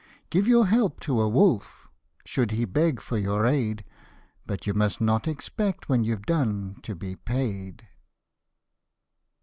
Give your help to a wolf, should he beg for your aid, But you must not expect when you've done to be paid.